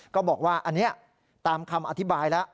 ก็บอกว่าอันนี้ตามคำอธิบายแล้ว